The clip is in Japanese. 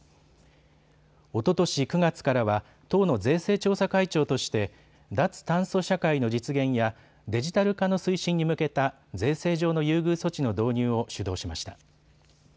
おととし９月からは党の税制調査会長として脱炭素社会の実現やデジタル化の推進に向けた税制上の優遇措置の導入を主導しました。